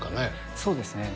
そうですね。